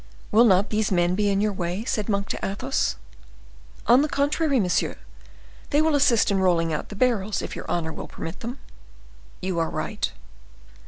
"Will not these men be in your way?" said Monk to Athos. "On the contrary, monsieur, they will assist in rolling out the barrels, if your honor will permit them." "You are right."